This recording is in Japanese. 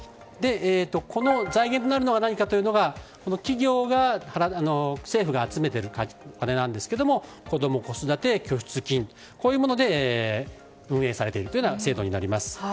この財源となるのは企業や政府が集めているお金なんですが子供・子育て拠出金というもので運営されている制度になります。